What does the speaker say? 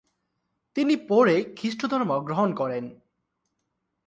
তিনি পড়ে খ্রীস্টধর্ম গ্রহণ করেন।